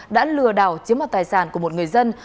đã lừa đảo chiếm hoạt tài sản của một người dân